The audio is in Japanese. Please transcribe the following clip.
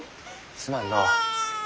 すまんのう。